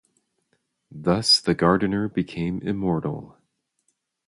Thus the Gardener became immortal.